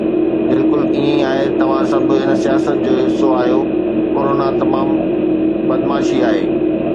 بلڪل ائين ئي آهي، توهان سڀ هن سياست جو حصو آهيو، ڪرونا تمام بدمعاشي آهي